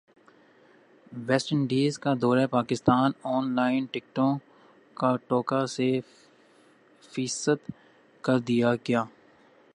waste Indies کا دورہ Pakistan online ٹکٹوں کاکوٹہ سے فیصد کردیاگیا